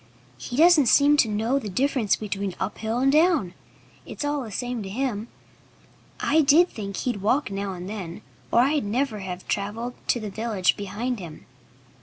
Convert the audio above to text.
He doesn't seem to know the difference between uphill and down. It's all the same to him. I did think he'd walk now and then, or I'd never have travelled to the village behind him."